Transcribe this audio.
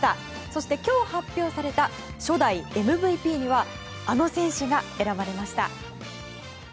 そして、今日発表された初代ＭＶＰにはあの選手が選ばれました。